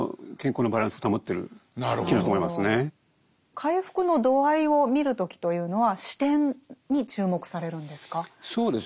回復の度合いを見る時というのは視点に注目されるんですか？